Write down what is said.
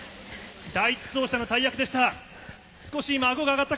第１走者の大役でした。